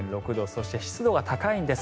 そして湿度が高いんです。